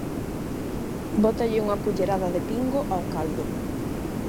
Bótalle unha cullerada de pingo ao caldo.